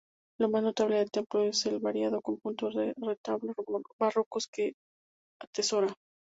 Lo más notable del templo es el variado conjunto de retablos barrocos que atesora.